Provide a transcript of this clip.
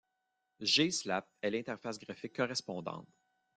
Gslapt est l'interface graphique correspondante.